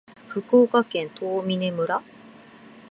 福岡県東峰村